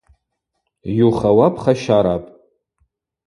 Йухауа пхащарапӏ.